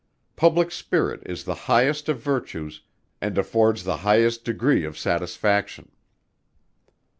Public spirit is the highest of virtues, and affords the highest degree of satisfaction.